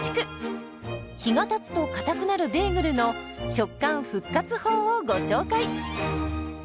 日がたつとかたくなるベーグルの食感復活法をご紹介。